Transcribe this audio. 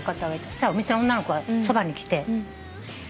そしたらお店の女の子がそばに来て。